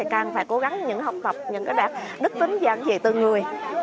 càng phải cố gắng những học tập những đảng đức tính dạng dị từ người